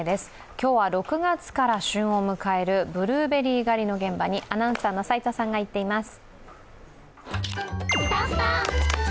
今日は６月から旬を迎えるブルーベリー狩りの現場にアナウンサーの齋藤さんが行っています。